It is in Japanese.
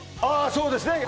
そうですね